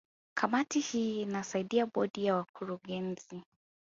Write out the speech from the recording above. Kamati hii inasaidia Bodi ya Wakurugenzi